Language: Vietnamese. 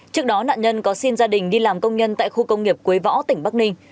trước đó nạn nhân có xin gia đình đi làm công nhân tại khu công nghiệp quế võ tỉnh bắc ninh